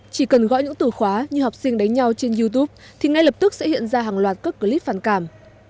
chỉ cần gõ những từ khóa như học sinh đánh nhau trên youtube thì ngay lập tức sẽ hiện ra hàng loạt các clip phản cảm